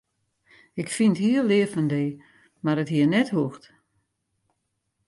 Ik fyn it hiel leaf fan dy, mar it hie net hoegd.